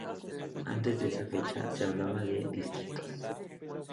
Antes de esa fecha, se hablaba de "distritos".